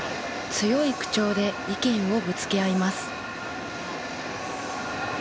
強い口調で意見をぶつけ合います。